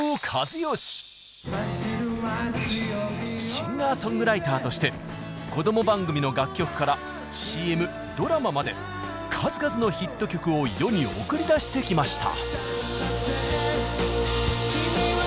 シンガーソングライターとして子ども番組の楽曲からＣＭドラマまで数々のヒット曲を世に送り出してきました。